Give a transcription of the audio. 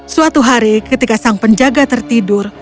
suatu hari ketika sang penjaga tertidur